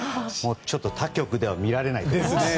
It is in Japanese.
ちょっと他局では見られないです。